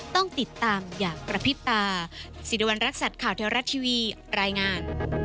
ต้องติดตามอย่างกระพริบตา